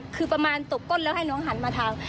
คือประมาณตกก้นแล้วให้น้องหันมาทาง